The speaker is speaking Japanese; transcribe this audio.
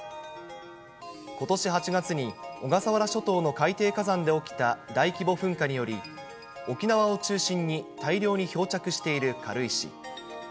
ことし８月に小笠原諸島の海底火山で起きた大規模噴火により、沖縄を中心に大量に漂着している軽石。